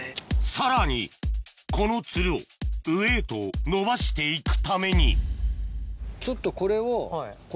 さらにこのツルを上へと伸ばして行くためにはい。